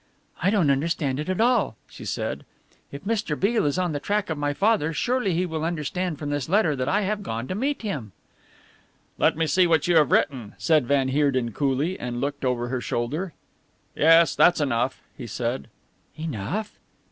"I don't understand it all," she said. "If Mr. Beale is on the track of my father, surely he will understand from this letter that I have gone to meet him." "Let me see what you have written," said van Heerden coolly, and looked over her shoulder. "Yes, that's enough," he said. "Enough?"